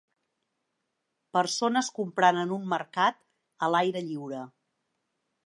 Persones comprant en un mercat a l'aire lliure.